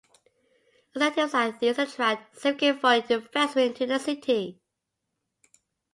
Incentives like these attract significant foreign investment into the city.